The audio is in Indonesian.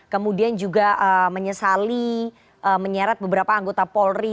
kemudian juga menyesali menyeret beberapa anggota polri